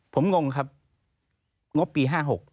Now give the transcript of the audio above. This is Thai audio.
ผมงงครับงบปี๕๖